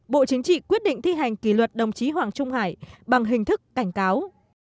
bộ chính trị quyết định thi hành kỷ luật đồng chí hoàng trung hải bằng hình thức cảnh cáo